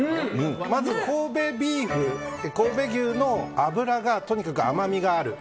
まず神戸牛の脂がとにかく甘みがある。